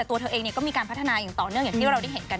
ตัวเธอเองก็มีการพัฒนาอย่างต่อเนื่องอย่างที่เราได้เห็นกัน